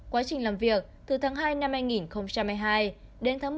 quá trình làm việc từ tháng hai năm hai nghìn một mươi hai đến tháng sáu năm hai nghìn một mươi hai